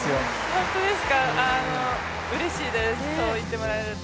ホントですか、うれしいですそう言ってもらえると。